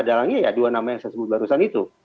dalangnya ya dua nama yang saya sebut barusan itu